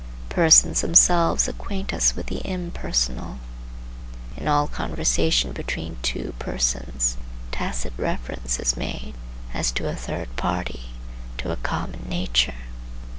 Persons themselves acquaint us with the impersonal. In all conversation between two persons tacit reference is made, as to a third party, to a common nature.